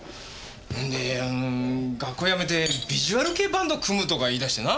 ほんで「学校辞めてビジュアル系バンド組む」とか言い出してな。